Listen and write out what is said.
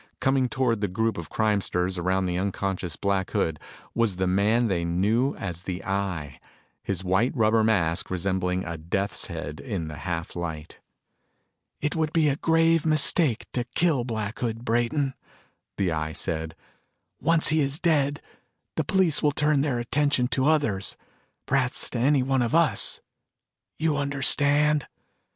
Coming toward the group of crimesters around the unconscious Black Hood, was the man they knew as the Eye, his white rubber mask resembling a death's head in the half light. "It would be a grave mistake to kill Black Hood, Brayton," the Eye said. "Once he is dead, the police will turn their attention to others perhaps to any one of us. You understand?"